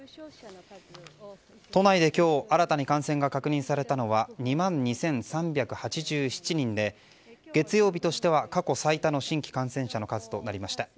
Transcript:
都内で今日新たに感染が確認されたのは２万２３８７人で月曜日としては過去最多の新規感染者の数となりました。